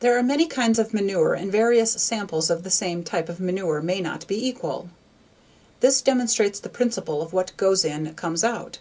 There are many kinds of manure and various samples of the same type of manure may not be equal. This demonstrates the principle of what goes in comes out.